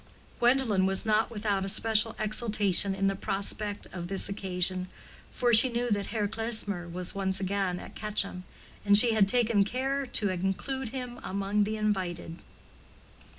Gwendolen was not without a special exultation in the prospect of this occasion, for she knew that Herr Klesmer was again at Quetcham, and she had taken care to include him among the invited.